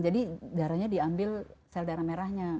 jadi darahnya diambil sel darah merahnya